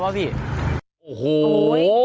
มึงวิ่งไอ้ขวาอยู่